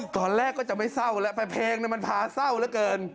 ตอนแรกก็จะไม่เศร้าแล้วแต่เพลงมันพาเศร้าเหลือเกิน